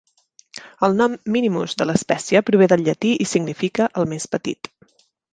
El nom "minimus" de l'espècie prové del llatí i significa "el més petit".